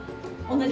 同じ？